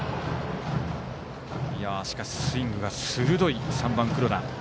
スイングが鋭い、３番黒田。